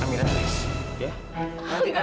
amira kita keluar ya